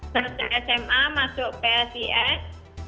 selesai sma masuk psis